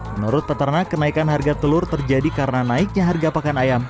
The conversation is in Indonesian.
menurut peternak kenaikan harga telur terjadi karena naiknya harga pakan ayam